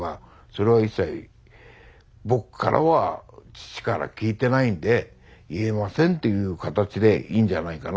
それは一切僕からは父から聞いてないんで言えませんっていう形でいいんじゃないかなとは思うんで。